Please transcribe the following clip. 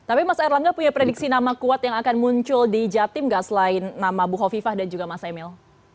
tapi mas erlangga punya prediksi nama kuat yang akan muncul di jatim nggak selain nama bu hovifah dan juga mas emil